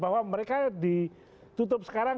bahwa mereka ditutup sekarang